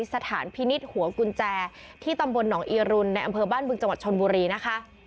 สถานพินิษฐ์หัวกุญแจที่ตำบลหนองอีรุนในอำเภอบ้านบึงจังหวัดชนบุรีนะคะ